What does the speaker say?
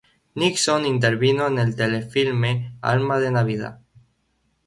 Nixon intervino en el telefilme "Alma de Navidad".